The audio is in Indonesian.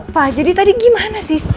pak jadi tadi gimana sih